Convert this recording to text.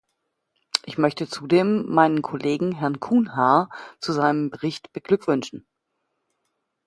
Ich möchte zudem meinen Kollegen, Herrn Cunha, zu seinem Bericht beglückwünschen.